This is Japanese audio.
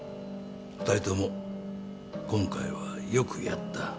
２人とも今回はよくやった。